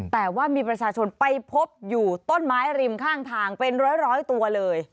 แต่ว่ามีประชาชนไปพบอยู่ต้นไม้ริมข้างทางเป็นร้อยตัวเลย